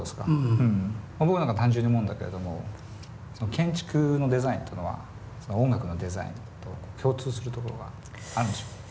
僕なんか単純に思うんだけれども建築のデザインってのは音楽のデザインと共通するところがあるんでしょうか。